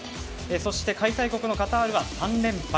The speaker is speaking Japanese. そして開催国のカタールは３連敗。